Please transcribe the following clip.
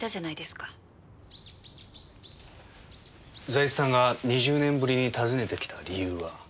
財津さんが２０年ぶりに訪ねてきた理由は？